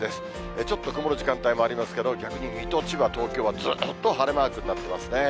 ちょっと曇る時間帯もありますけど、逆に水戸、千葉、東京はずっと晴れマークになってますね。